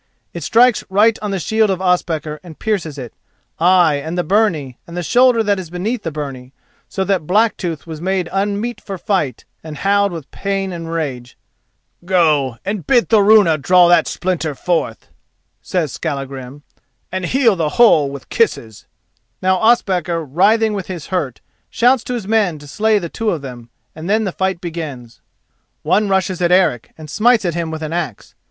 It strikes right on the shield of Ospakar and pierces it, ay and the byrnie, and the shoulder that is beneath the byrnie, so that Blacktooth was made unmeet for fight, and howled with pain and rage. "Go, bid Thorunna draw that splinter forth," says Skallagrim, "and heal the hole with kisses." Now Ospakar, writhing with his hurt, shouts to his men to slay the two of them, and then the fight begins. One rushes at Eric and smites at him with an axe.